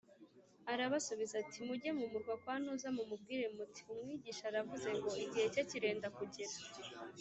Arabasubiza ati “Mujye mu murwa kwa ntuza, mumubwire muti ‘Umwigisha aravuze ngo igihe cye kirenda kugera